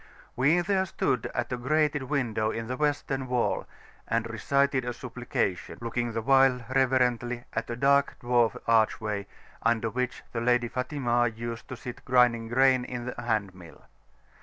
We there stood at a grated window in the Western wall, and recited a Supplication, looking the while reverently at a dark dwarf archway under which the Lady Fatimah used to sit grinding grain in a hand mill.